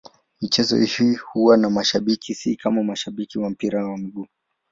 Michezo hii huwa na mashabiki, si kama mashabiki wa mpira wa miguu.